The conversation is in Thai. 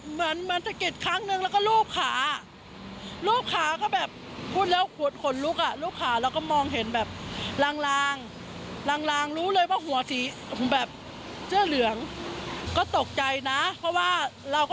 เหมือนมันสะกิดครั้งนึงแล้วก็ลูบขา